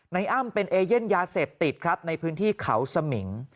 อ้ำเป็นเอเย่นยาเสพติดครับในพื้นที่เขาสมิง